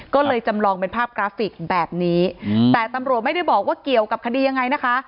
ก็เลยจำลองเป็นภาพกราฟิกแบบนี้แต่ตำรวจไม่ได้บอกว่าเกี่ยวกับคดียังไงนะคะ